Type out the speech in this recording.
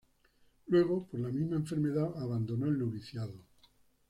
Luego, por la misma enfermedad, abandonó el noviciado.